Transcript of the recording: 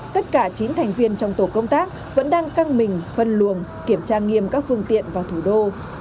tất cả chín thành viên trong tổ công tác vẫn đang căng mình phân luồng kiểm tra nghiêm các phương tiện vào thủ đô